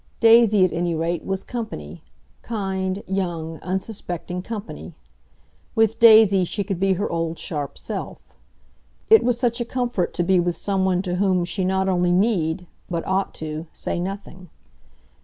Daisy, at any rate, was company—kind, young, unsuspecting company. With Daisy she could be her old sharp self. It was such a comfort to be with someone to whom she not only need, but ought to, say nothing.